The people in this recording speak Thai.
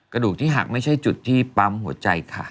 กระดูกที่หักไม่ใช่จุดที่ปั๊มหัวใจค่ะ